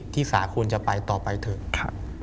สาควรจะไปต่อไปเถอะ